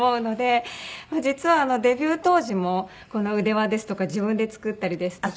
実はデビュー当時もこの腕輪ですとか自分で作ったりですとか。